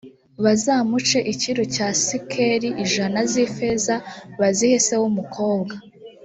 bazamuce icyiru cya sikeli ijana z’ifeza bazihe se w’umukobwa,